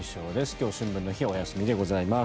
今日は春分の日お休みでございます。